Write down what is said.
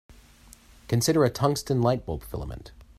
Consider a tungsten light-bulb filament.